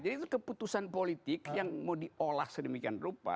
jadi itu keputusan politik yang mau diolah sedemikian rupa